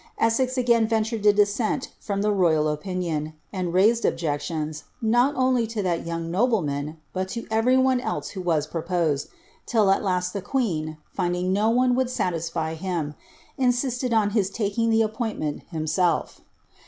Esses again ventured lo dissent from the roval opinion, and raised objections, not only In that young nobleman, but lo eiery one else who was proposed, till at !asl ihe queen, finding no one would satisfy him, insisted on his taking ihe appointment himself.